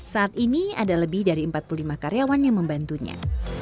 saat ini ada lebih dari empat puluh lima karyawan yang membantunya